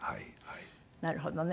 なるほどね。